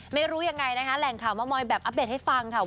ไม่รู้ยังไงนะคะแหล่งข่าวเมาะมอยแบบอัปเดตให้ฟังค่ะ